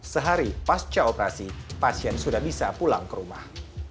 sehari pasca operasi pasien sudah bisa pulang ke rumah